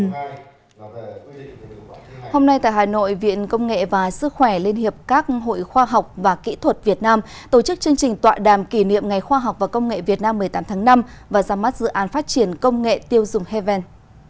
hôm nay tại hà nội viện công nghệ và sức khỏe liên hiệp các hội khoa học và kỹ thuật việt nam tổ chức chương trình tọa đàm kỷ niệm ngày khoa học và công nghệ việt nam một mươi tám tháng năm và ra mắt dự án phát triển công nghệ tiêu dùng haven